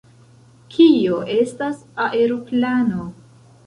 Kio estas aeroplano?